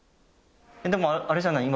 でもあれじゃない？